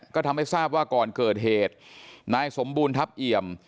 ก็ทำให้ทราบว่าก่อนเกิดเหตุนายสมบูรณทัพเอี่ยม